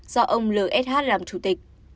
do ông lsh làm chủ tịch